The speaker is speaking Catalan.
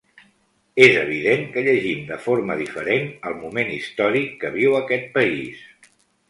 És evident que llegim de forma diferent el moment històric que viu aquest país.